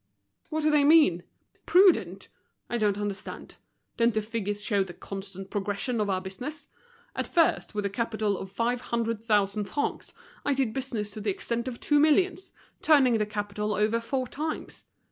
"What do they mean? Prudent! I don't understand. Don't the figures show the constant progression of our business? At first, with a capital of five hundred thousand francs, I did business to the extent of two millions, turning the capital over four times.